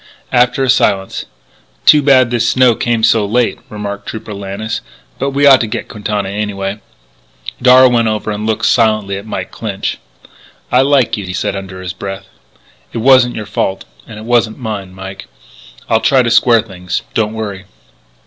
After a silence: "Too bad this snow came so late," remarked Trooper Lannis. "But we ought to get Quintana anyway." Darragh went over and looked silently at Mike Clinch. "I liked you," he said under his breath. "It wasn't your fault. And it wasn't mine, Mike.... I'll try to square things. Don't worry."